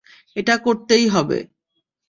এটা করতেই হবে।